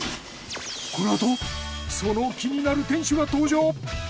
このあとその気になる店主が登場。